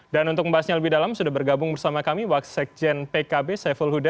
dan untuk membahasnya lebih dalam sudah bergabung bersama kami waksek jen pkb saiful huda